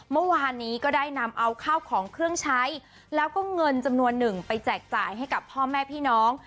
เมื่อวานนี้ก็ได้นำเอาข้าวของเครื่องใช้แล้วก็เงินจำนวนหนึ่งไปแจกจ่ายให้กับพ่อแม่พี่น้อง